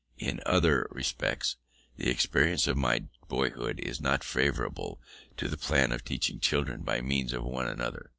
In other respects, the experience of my boyhood is not favourable to the plan of teaching children by means of one another.